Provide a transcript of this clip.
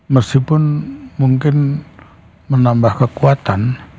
meskipun mungkin menambah kekuatan